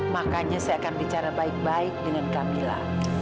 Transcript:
makanya saya akan bicara baik baik dengan camilla